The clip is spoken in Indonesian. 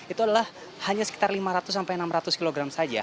itu adalah hanya sekitar lima ratus sampai enam ratus kilogram saja